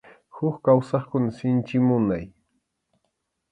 Huk kawsaqkuna sinchi munay.